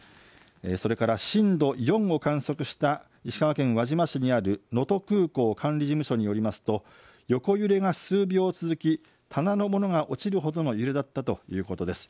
それから震度４を観測した石川県輪島市にある能登空港管理事務所によりますと横揺れが数秒続き、棚の物が落ちるほどの揺れだったということです。